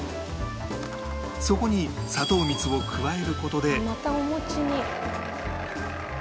そこに砂糖蜜を加える事で